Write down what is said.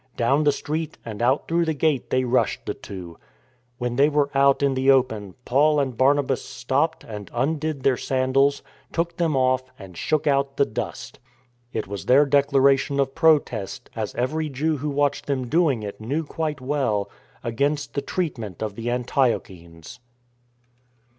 Down the street and out through the gate they rushed the two. When they were out in the open, Paul and Barnabas stopped and undid their san 138 THE FORWARD TREAD dais, took them off, and shook out the duSt. It was their declaration of protest (as every Jew who watched them doing it knew quite well) against the treatment of the Antiochenes.